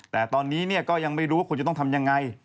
แต่ตอนนี้ก็ยังไม่รู้ว่าควรจะต้องทำยังไง